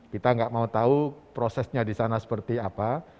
kita nggak mau tahu prosesnya di sana seperti apa